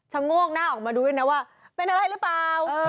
โงกหน้าออกมาดูด้วยนะว่าเป็นอะไรหรือเปล่า